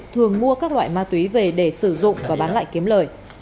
thường mua các loại ma túy về để sử dụng và bán lại kiếm lời